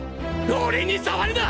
俺に触るな！